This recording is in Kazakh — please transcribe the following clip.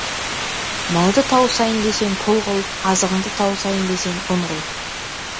Малды тауысайын десең, пұл қыл, азығыңды тауысайын десең, ұн қыл.